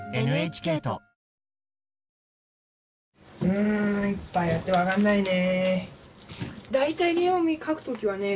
うんいっぱいあって分かんないね。